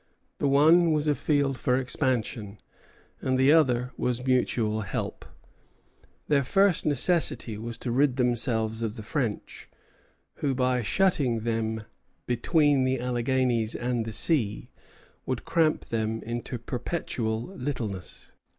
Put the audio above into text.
The one was a field for expansion, and the other was mutual help. Their first necessity was to rid themselves of the French, who, by shutting them between the Alleghanies and the sea, would cramp them into perpetual littleness.